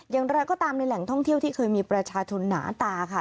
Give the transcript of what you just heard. อย่างไรก็ตามในแหล่งท่องเที่ยวที่เคยมีประชาชนหนาตาค่ะ